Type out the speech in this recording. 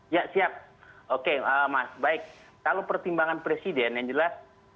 ya siap oke mas baik kalau pertimbangan presiden yang jelas